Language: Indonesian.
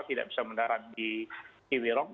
tidak bisa mendarat di kiwirong